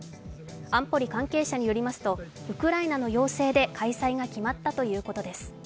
安保理関係者によりますと、ウクライナの要請で開催が決まったということです。